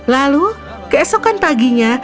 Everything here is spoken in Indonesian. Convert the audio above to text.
lalu keesokan paginya